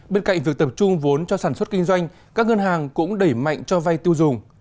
bên cạnh việc tập trung vốn cho sản xuất kinh doanh các ngân hàng cũng đẩy mạnh cho vay tiêu dùng